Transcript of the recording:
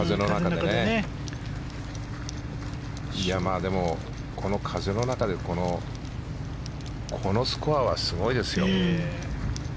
でも、この風の中でこのスコアはすごいですよ。